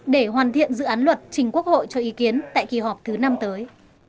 để hoàn thiện dự án luật trình quốc hội cho ý kiến tại kỳ họp thứ năm tới